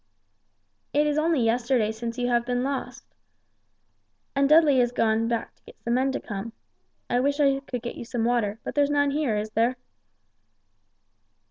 "It is only since yesterday that you have been lost. And Dudley has gone back to get some men to come. I wish I could get you some water, but there's none here, is there?"